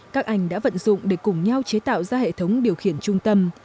các anh đã vận dụng để cùng nhau chế tạo ra hệ thống điều khiển trung tâm